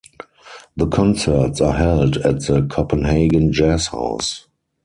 The concerts are held at the Copenhagen Jazz House.